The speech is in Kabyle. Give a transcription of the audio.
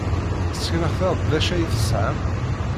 Sseknet-aɣ-d d acu ay d-tesɣam.